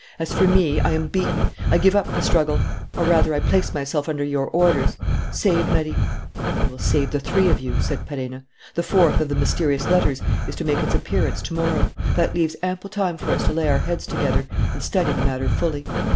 As for me, I am beaten. I give up the struggle, or, rather, I place myself under your orders. Save Marie." "I will save the three of you," said Perenna. "The fourth of the mysterious letters is to make its appearance to morrow: that leaves ample time for us to lay our heads together and study the matter fully.